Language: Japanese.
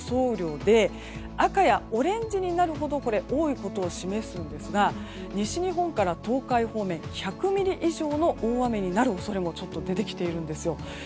雨量で赤やオレンジになるほど多いことを示すんですが西日本から東海方面で１００ミリ以上の大雨になる恐れもちょっと出てきているんですよ。